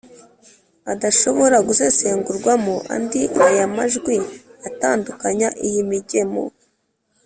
adashobora gusesengurwamo andi aya majwi atandukanya iyi migemo,